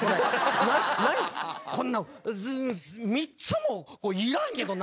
こんなん３つもいらんけどな。